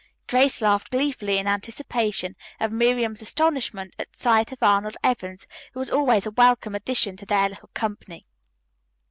Grace laughed gleefully in anticipation of Miriam's astonishment at sight of Arnold Evans, who was always a welcome addition to their little company.